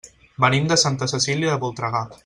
Venim de Santa Cecília de Voltregà.